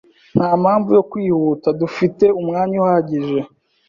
Nta mpamvu yo kwihuta. Dufite umwanya uhagije.